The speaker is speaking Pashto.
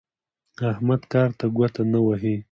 احمد کار ته ګوته نه وهي.